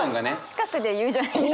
近くで言うじゃないですか。